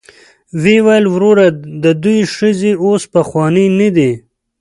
ویل یې وروره د دوی ښځې اوس پخوانۍ نه دي.